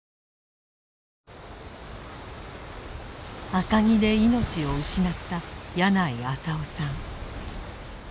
赤城で命を失った矢内浅雄さん。